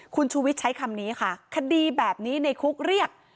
คุณชูวิทย์ใช้คำนี้ค่ะคดีแบบนี้ในคุกเรียก